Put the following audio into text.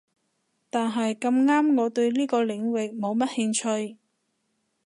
但係咁啱我對呢個領域冇乜興趣